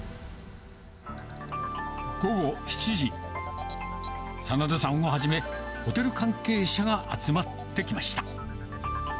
午後７時、眞田さんをはじめ、ホテル関係者が集まってきました。